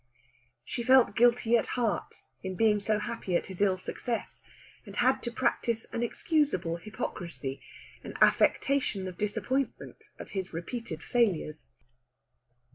She felt guilty at heart in being so happy at his ill success, and had to practise an excusable hypocrisy, an affectation of disappointment at his repeated failures.